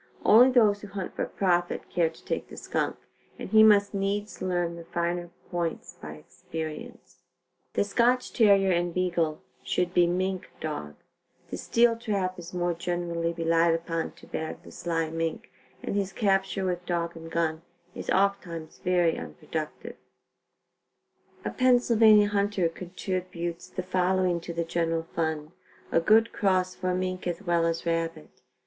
Only those who hunt for profit, care to take the skunk, and he must needs learn the finer points by experience. The Scotch Terrier and Beagle should be mink dog. The steel trap is more generally relied upon to bag the sly mink and his capture with dog and gun is oft times very unproductive. [Illustration: Opossums Are Easily Caught Alive for Training Purposes.] A Pennsylvania hunter contributes the following to the general fund: a good cross for mink as well as rabbit.